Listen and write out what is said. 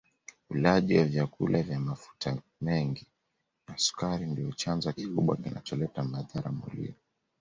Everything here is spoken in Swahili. Ulaji wa vyakula vya mafuta mengi na sukari ndio chanzo kikubwa kinacholeta madhara mwilini